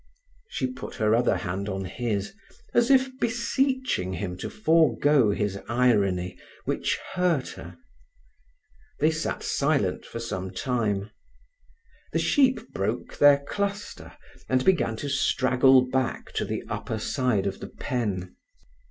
She put her other hand on his, as if beseeching him to forgo his irony, which hurt her. They sat silent for some time. The sheep broke their cluster, and began to straggle back to the upper side of the pen.